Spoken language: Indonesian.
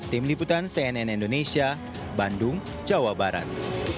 tim liputan cnn indonesia bandung jawa barat